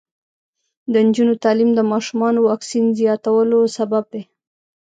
د نجونو تعلیم د ماشومانو واکسین زیاتولو سبب دی.